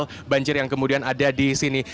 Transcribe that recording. dan banjir yang kemudian ada di sini